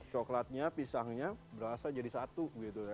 coklatnya pisangnya berasa jadi satu gitu ya